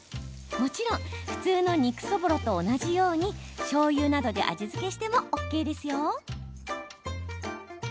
もちろん普通の肉そぼろと同じように、しょうゆなどで味付けしてもＯＫです。